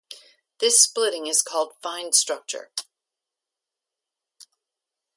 This splitting is called fine structure.